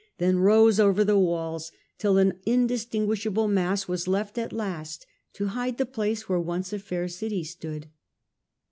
Titus, 163 then rose over the walls, till an indistinguishable mass was left at last to hide the place where once a fair city stood.